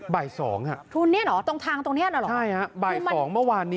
ใบสอง